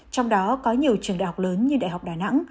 trong đó có nhiều trường đại học lớn như đại học đà nẵng